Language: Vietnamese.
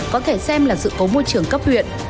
có thể xem là sự cố môi trường cấp huyện